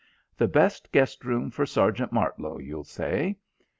The best guest room for Sergeant Martlow, you'll say.